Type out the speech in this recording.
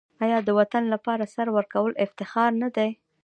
آیا د وطن لپاره سر ورکول افتخار نه دی؟